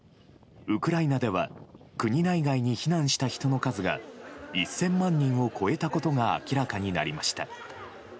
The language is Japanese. ウクライナでは国内外に避難した人の数が１０００万人を超えたことが明らかになりました。